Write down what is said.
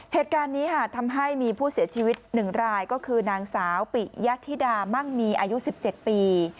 เหตุการณ์นี้ค่ะทำให้มีผู้เสียชีวิต๑รายก็คือนางสาวปิยธิดามั่งมีอายุ๑๗ปี